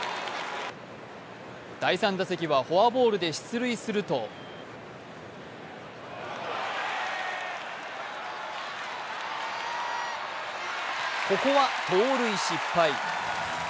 第３打席はフォアボールで出塁するとここは盗塁失敗。